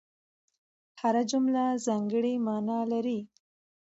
هره جمله ځانګړې مانا لري.